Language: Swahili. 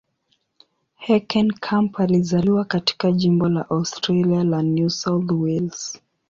Heckenkamp alizaliwa katika jimbo la Australia la New South Wales.